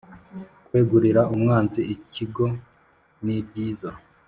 kwegurira umwanzi ikigo nibyiza